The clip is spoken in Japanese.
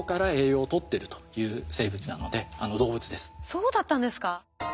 そうだったんですか。